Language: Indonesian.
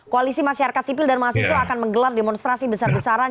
koalisi masyarakat sipil dan mahasiswa akan menggelar demonstrasi besar besaran